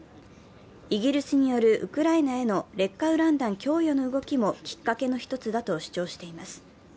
イギリスによるウクライナへの劣化ウラン弾供与の動きもきっかけの一つだと主張しています。